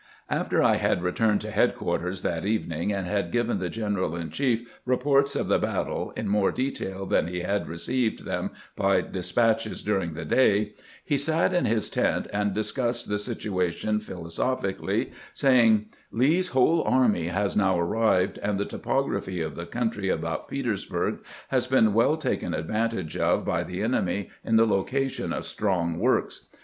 After I had returned to headquarters that evening, and had given the general in chief reports of the battle in more detail than he had received them by despatches during the day, he sat in his tent and discussed the sit uation philosophically, saying :" Lee's whole army has now arrived, and the topography of the country about Petersburg has been well taken advantage of by the enemy in the location of strong works.